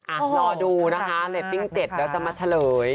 อ่ะรอดูนะคะเรฟติ้ง๗แล้วจะมาเฉลย